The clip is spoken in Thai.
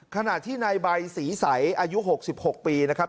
ขนาดที่ในใบสีใสอายุ๖๑๖ปีนะครับ